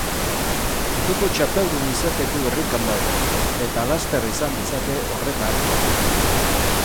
Munduko txapeldun izateko irrikan dago, eta laster izan dezake horretarako aukera.